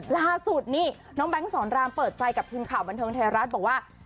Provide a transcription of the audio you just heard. ล่าสุดนี่น้องแบงค์สอนรามเปิดใจกับทีมข่าวบันเทิงไทยรัฐบอกว่า